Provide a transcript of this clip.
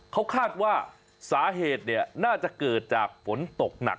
เขาคาดว่าสาเหตุน่าจะเกิดจากฝนตกหนัก